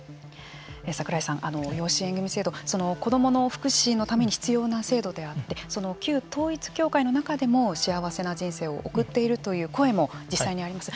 櫻井さん、養子縁組制度子どもの福祉のために必要な制度であって旧統一教会の中でも幸せな人生を送っているという声も実際にあります。